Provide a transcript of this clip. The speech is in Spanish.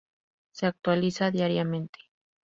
Se actualiza diariamente.